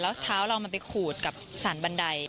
แล้วเท้าเรามันไปขูดกับสารบันได